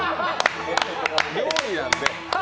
料理なんで。